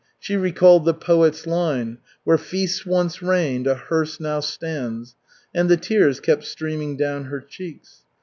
She recalled the poet's line: "Where feasts once reigned a hearse now stands!" And the tears kept streaming down her cheeks.